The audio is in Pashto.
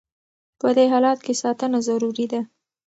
په دې حالت کې ساتنه ضروري ده.